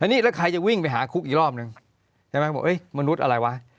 นี่แล้วใครจะวิ่งไปหาคุกอีกรอบนึงใช่ไหมบอกเอ้ยมนุษย์อะไรวะ